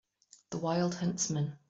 The wild huntsman.